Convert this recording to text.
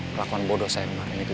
kelakuan bodoh saya kemaren itu